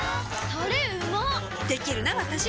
タレうまっできるなわたし！